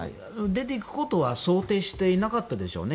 出ていくことは想定していなかったでしょうね。